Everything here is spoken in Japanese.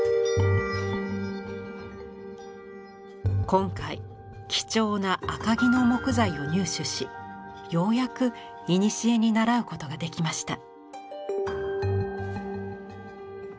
今回貴重な赤木の木材を入手しようやくいにしえにならうことができました。